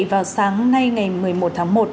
vào sáng nay ngày một mươi một tháng năm